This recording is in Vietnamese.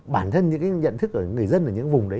bản thân những cái nhận thức ở người dân ở những vùng đấy